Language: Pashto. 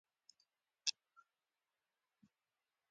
هدف له بنګال څخه د انګرېزانو ایستل دي.